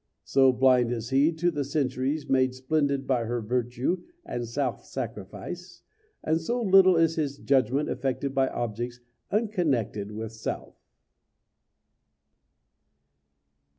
So blind is he to the centuries made splendid by her virtue and self sacrifice, and so little is his judgment affected by objects unconnected with self.